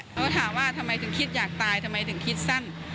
เขาก็ถามว่าทำไมถึงคิดอยากตายทำไมถึงคิดสั้น